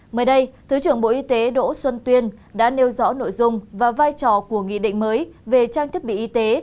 mới đây thứ trưởng bộ y tế đỗ xuân tuyên đã nêu rõ nội dung và vai trò của nghị định mới về trang thiết bị y tế